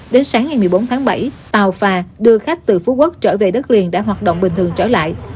đến sáng ngày một mươi bốn tháng bảy tàu phà đưa khách từ phú quốc trở về đất liền đã hoạt động bình thường trở lại